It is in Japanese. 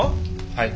はい。